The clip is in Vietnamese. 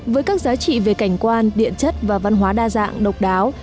với các giá trị về cảnh quan địa chất và văn hóa đa dạng độc đáo